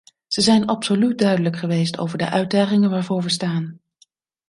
Ze zijn absoluut duidelijk geweest over de uitdagingen waarvoor we staan.